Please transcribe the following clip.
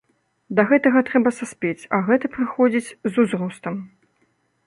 Да гэтага трэба саспець, а гэта прыходзіць з узростам.